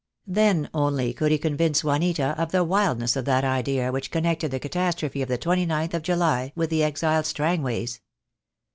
Then only could he convince Juanita of the wildness of that idea which connected the catastrophe of the 29th of July with the exiled Strangways.